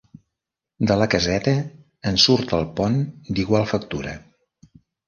De la caseta en surt el pont d’igual factura.